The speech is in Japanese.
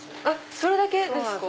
それだけですか！